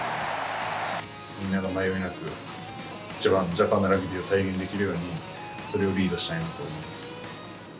みんなが迷いなく、ジャパンのラグビーを体現できるように、それをリードしたいなと思います。